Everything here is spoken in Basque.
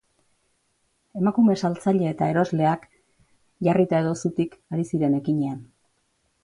Emakume saltzaile eta erosleak, jarrita edo zutik, ari ziren ekinean.